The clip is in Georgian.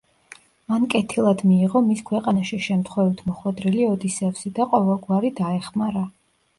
მან კეთილად მიიღო მის ქვეყანაში შემთხვევით მოხვედრილი ოდისევსი და ყოველგვარი დაეხმარა.